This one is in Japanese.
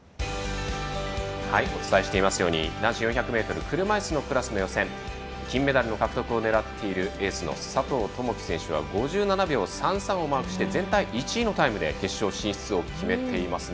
お伝えしていますように男子４００ｍ車いすのクラスの予選金メダルの獲得を狙っているエースの佐藤友祈選手は５７秒３３をマークして全体１位のタイムで決勝進出を決めていますね。